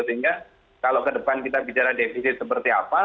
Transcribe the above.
sehingga kalau ke depan kita bicara defisit seperti apa